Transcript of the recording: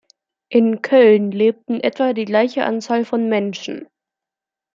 In Cölln lebten etwa die gleiche Anzahl von Menschen.